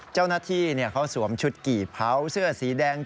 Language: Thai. เจ้าหน้าที่เขาสวมชุดกี่เผาเสื้อสีแดง